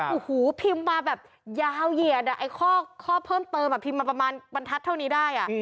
โอ้โหพิมพ์มาแบบยาวเหยียดข้อเพิ่มเติมพิมพ์มาประมาณบรรทัดเท่านี้ได้